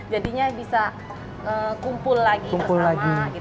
jadinya bisa kumpul lagi bersama